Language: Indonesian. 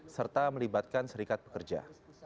serta melibatkan serikat pekerja